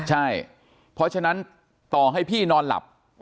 ใช่เพราะฉะนั้นต่อให้พี่นอนหลับ